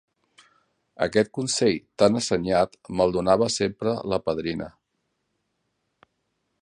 Aquest consell tan assenyat me'l donava sempre la padrina.